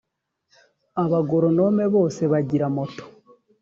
abagoronome bose bagira moto.